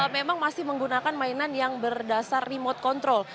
memang masih menggunakan mainan yang berdasar remote control